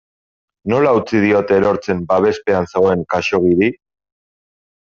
Nola utzi diote erortzen babespean zegoen Khaxoggiri?